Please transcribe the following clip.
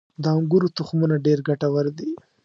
• د انګورو تخمونه ډېر ګټور دي.